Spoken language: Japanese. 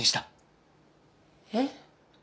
えっ？